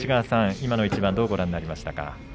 今の一番どうご覧になりましたか。